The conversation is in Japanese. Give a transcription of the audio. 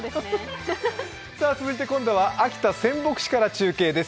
続いて今度は秋田県仙北市から中継です。